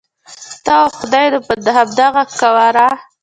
ته او خدای نو په همدغه قواره.